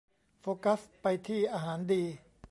โฟกัสไปที่อาหารดี